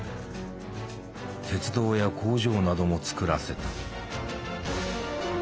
鉄道や工場なども造らせた。